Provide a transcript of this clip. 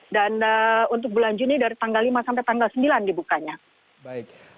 dan untuk bulan juni dari tanggal lima sampai tanggal sembilan dibukanya